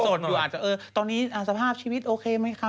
อยู่อาจจะตอนนี้สภาพชีวิตโอเคไหมคะ